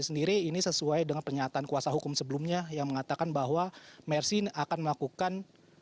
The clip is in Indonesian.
jadi ini sesuai dengan pernyataan kuasa hukum sebelumnya yang mengatakan bahwa mercy akan melakukan